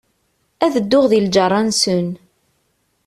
Ad dduɣ di lğerra-nsen.